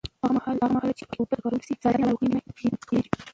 هغه مهال چې پاکې اوبه وکارول شي، ساري ناروغۍ نه خپرېږي.